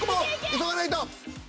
急がないと。